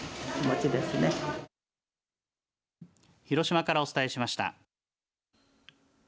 広島からお伝えしました。